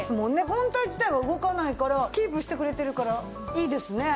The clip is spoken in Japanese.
本体自体は動かないからキープしてくれてるからいいですね。